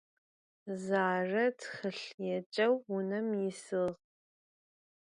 Zare txılh yêceu vunem yisığ.